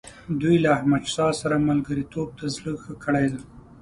دوی له احمدشاه سره ملګرتوب ته زړه ښه کړی دی.